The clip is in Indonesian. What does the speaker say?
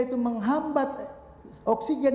itu menghambat oksigen